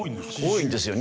多いんですよ